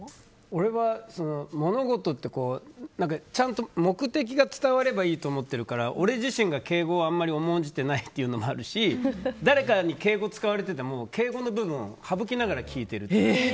俺は、物事はちゃんと目的が伝わればいいと思ってるから俺自身が敬語をあまり重んじてないというのもあるし誰かに敬語使われてても敬語の部分を省きながら聞いてる。